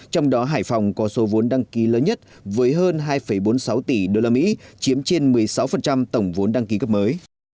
trong đó hải phòng có số vốn đăng ký lớn nhất với hơn hai bốn mươi sáu tỷ usd chiếm trên một mươi sáu tổng vốn đăng ký cấp mới